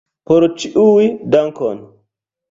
Por ĉiuj, dankon!